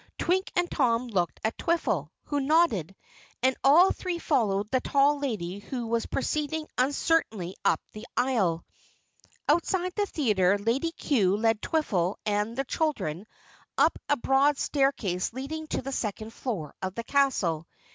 Twink and Tom looked at Twiffle, who nodded, and all three followed the tall lady who was proceeding uncertainly up the aisle. Outside the theater, Lady Cue led Twiffle and the children up a broad staircase leading to the second floor of the castle.